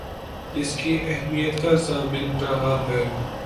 اس کی اہمیت کا ضامن رہا ہے